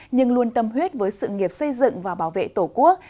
nhưng luôn tâm huyết với sự nghiệp xây dựng và bảo vệ tổ quốc